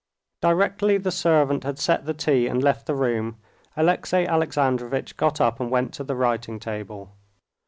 Directly the servant had set the tea and left the room, Alexey Alexandrovitch got up and went to the writing table.